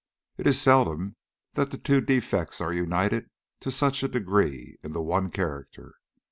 It is seldom that the two defects are united to such a degree in the one character.